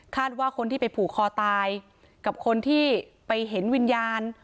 ว่าคนที่ไปผูกคอตายกับคนที่ไปเห็นวิญญาณ